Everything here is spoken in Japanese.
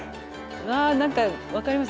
わ何か分かります。